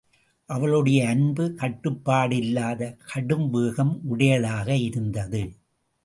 அவளுடைய அன்பு கட்டுப்பாடில்லாத கடும்வேகம் உடையதாக இருந்தது.